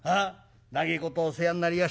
長えことお世話になりやした。